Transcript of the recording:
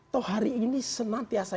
tau hari ini senantiasa